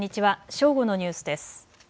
正午のニュースです。